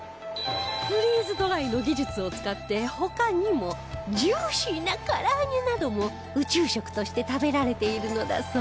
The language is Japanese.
フリーズドライの技術を使って他にもジューシーな唐揚げなども宇宙食として食べられているのだそう